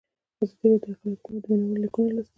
ازادي راډیو د اقلیتونه په اړه د مینه والو لیکونه لوستي.